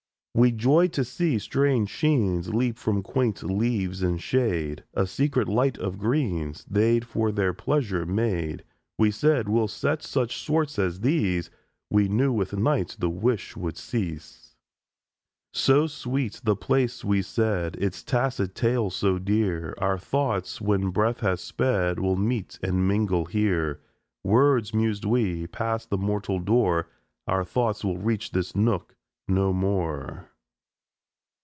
We joyed to see strange sheens Leap from quaint leaves in shade; A secret light of greens They'd for their pleasure made. We said: "We'll set such sorts as these!" —We knew with night the wish would cease. "So sweet the place," we said, "Its tacit tales so dear, Our thoughts, when breath has sped, Will meet and mingle here!" ... "Words!" mused we. "Passed the mortal door, Our thoughts will reach this nook no more."